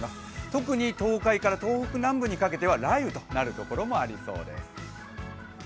特に、東海から東北南部にかけては雷雨となるところもありそうです。